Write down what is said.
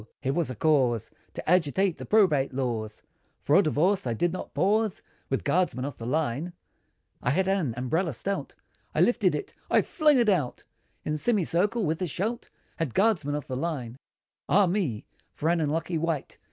So ho! was here a cause, To agitate the Probate laws, For a divorce, I did not pause, With guardsman of the line, I had an umbrella stout, I lifted it, I flung it out, In semicircle, with a shout, At guardsman of the line! Ah! me, for an unlucky wight!